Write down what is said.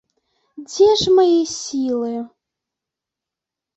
Дзе ж мае сілы!